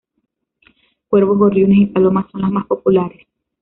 Cuervos, gorriones y palomas son las más populares.